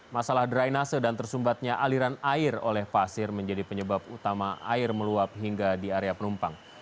masalah drainase dan tersumbatnya aliran air oleh pasir menjadi penyebab utama air meluap hingga di area penumpang